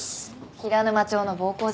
平沼町の暴行事件。